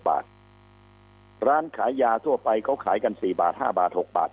บาทร้านขายยาทั่วไปเขาขายกัน๔บาท๕บาท๖บาท